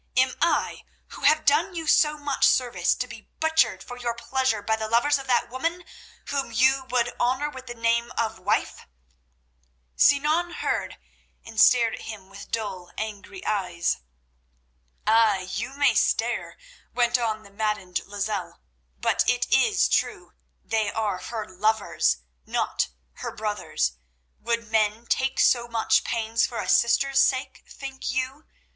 Am I, who have done you so much service, to be butchered for your pleasure by the lovers of that woman, whom you would honour with the name of wife?" Sinan heard, and stared at him with dull, angry eyes. "Ay, you may stare," went on the maddened Lozelle, "but it is true—they are her lovers, not her brothers. Would men take so much pains for a sister's sake, think you?